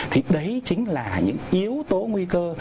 thì đấy chính là những yếu tố nguy cơ